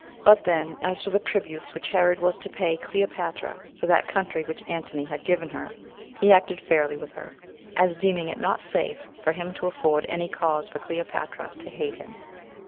4. But then, as to the tributes which Herod was to pay Cleopatra for that country which Antony had given her, he acted fairly with her, as deeming it not safe for him to afford any cause for Cleopatra to hate him.